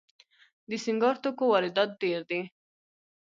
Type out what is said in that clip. د سینګار توکو واردات ډیر دي